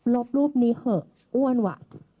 บรูปนี้เถอะอ้วนว่ะ